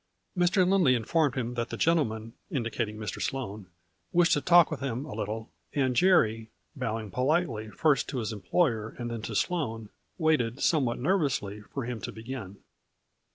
Mr. Lindley informed him that the gentleman, 52 A FLUBliY IN DIAMONDS. indicating Mr. Sloane, wished to talk with him a little, and Jerry, bowing politely, first to his employer and then to Sloane, waited, somewhat nervously, 'for him to begin.